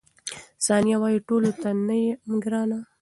ثانیه وايي، ټولو ته نه یم ګرانه.